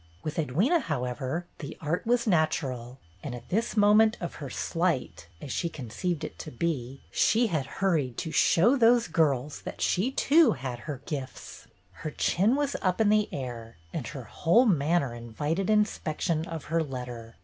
With Edwyna, however, the art was natural, and at this moment of her slight — as she conceived it to be — she had hurried to "show those girls" that she too had her gifts ! Her chin was up in the air and her whole manner invited in spection of her letter.